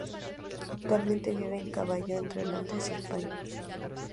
Actualmente vive a caballo entre Londres y España.